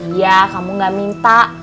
iya kamu gak minta